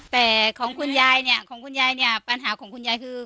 แต่ของคุณยายเนี่ยของคุณยายเนี่ยปัญหาของคุณยายคือ